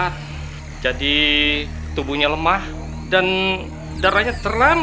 tidak ada apa apa wani